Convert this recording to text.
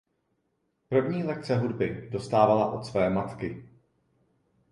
První lekce hudby dostávala od své matky.